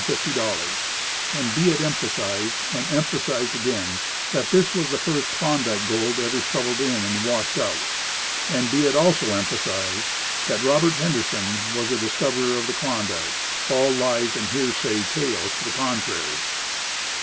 And be it emphasized, and emphasized again, that this was the first Klondike gold ever shovelled in and washed out. And be it also emphasized, that Robert Henderson was the discoverer of Klondike, all lies and hearsay tales to the contrary.